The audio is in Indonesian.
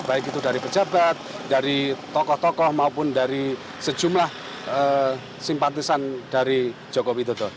baik itu dari pejabat dari tokoh tokoh maupun dari sejumlah simpatisan dari joko widodo